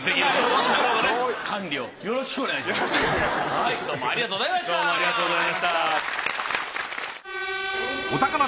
はいどうもありがとうございました。